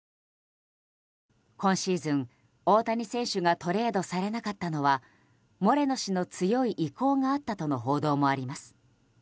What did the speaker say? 今シーズン、大谷選手がトレードされなかったのはモレノ氏の強い意向があったとの報道もあります。